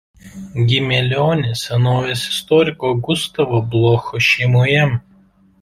Gimė Lione senovės istoriko Gustavo Blocho šeimoje.